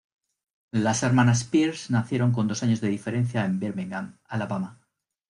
Las hermanas Pierce nacieron con dos años de diferencia en Birmingham, Alabama.